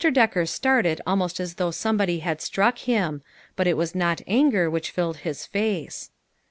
Decker started almost as though some body had struck him. But it was not anger which filled his face.